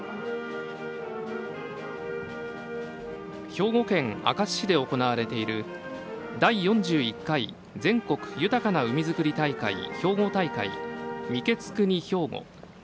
兵庫県明石市で行われている「第４１回全国豊かな海づくり大会兵庫大会御食国ひょうご」。